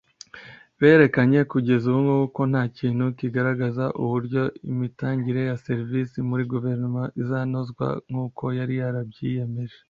Berekanye ko kugeza ubu nta kintu kigaragaza uburyo imitangirwe ya serivisi muri guverinoma izanozwa nk’uko yari yarabyiyemeje